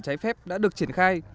cháy phép đã được triển khai